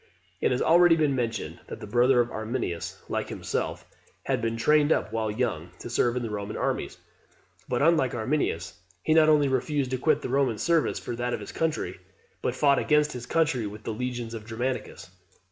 It has been already mentioned that the brother of Arminius, like himself, had been trained up, while young, to serve in the Roman armies; but, unlike Arminius, he not only refused to quit the Roman service for that of his country, but fought against his country with the legions of Germanicus.